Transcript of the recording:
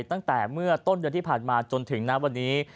ตั้งแต่เมื่อต้นเดือนที่ผ่านมาจนถึงณวันนี้